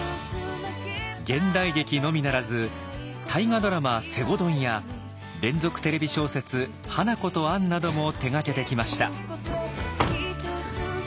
現代劇のみならず大河ドラマ「西郷どん」や連続テレビ小説「花子とアン」なども手がけてきました。